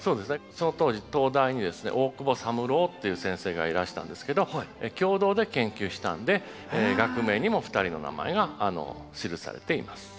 その当時東大にですね大久保三郎っていう先生がいらしたんですけど共同で研究したんで学名にも２人の名前が記されています。